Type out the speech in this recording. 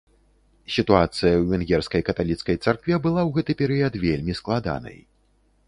Сітуацыя ў венгерскай каталіцкай царкве была ў гэты перыяд вельмі складанай.